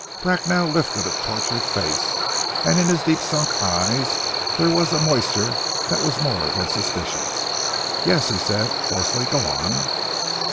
Bracknell lifted a tortured face, and in his deep sunk eyes there was a moisture that was more than suspicious. "Yes," he said hoarsely. "Go on!"